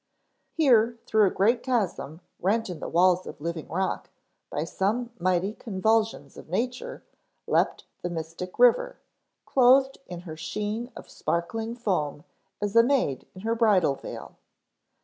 Here through a great chasm rent in the walls of living rock by some mighty convulsions of Nature leaped the mystic river, clothed in her sheen of sparkling foam as a maid in her bridal veil.